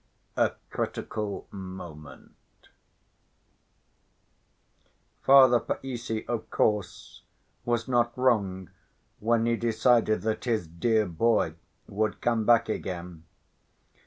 A Critical Moment Father Païssy, of course, was not wrong when he decided that his "dear boy" would come back again.